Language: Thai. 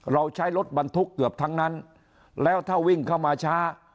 เราใช้รถบรรทุกเกือบทั้งนั้นแล้วถ้าวิ่งเข้ามาช้า